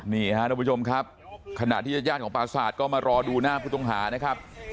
นี่ฮะทุกผู้ชมครับขณะที่จะญาติของปราสาทก็มารอดูหน้าพุทธงหานะครับ